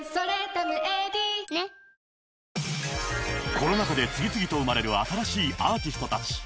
コロナ禍で次々と生まれる新しいアーティストたち。